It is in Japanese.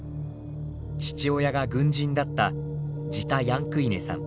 父親が軍人だったジタ・ヤンクイネさん。